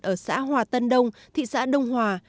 ở xã hòa tân đông thị xã đông hòa